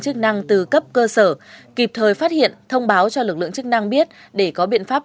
chức năng từ cấp cơ sở kịp thời phát hiện thông báo cho lực lượng chức năng biết để có biện pháp